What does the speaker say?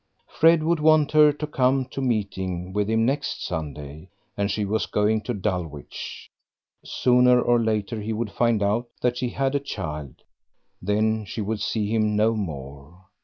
Fred would want her to come to meeting with him next Sunday, and she was going to Dulwich. Sooner or later he would find out that she had a child, then she would see him no more.